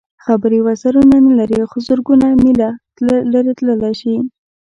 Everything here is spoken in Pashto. خبرې وزرونه نه لري خو زرګونه مېله لرې تللی شي.